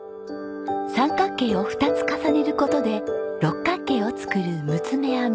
三角形を２つ重ねる事で六角形を作る六つ目編み。